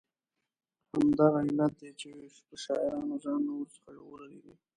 همدغه علت دی چې شاعرانو ځانونه ور څخه ژغورلي دي.